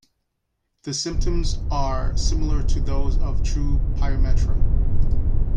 The symptoms are similar to those of true pyometra.